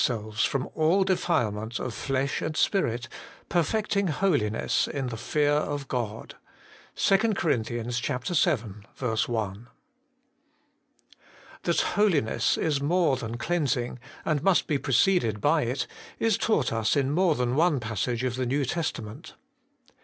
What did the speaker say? selves from all defilement of flesh and spirit, perfecting holiness in the fear of God.' 2 COR. vii. 1. THAT holiness is more than cleansing, and must be preceded by it, is taught us in more than one passage of the New Testament.